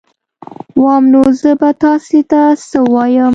وام نو زه به تاسي ته څه ووایم